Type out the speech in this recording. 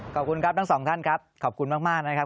ขอบคุณครับทั้งสองท่านครับขอบคุณมากนะครับ